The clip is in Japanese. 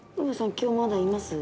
今日まだいます？